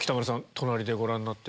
隣でご覧になって。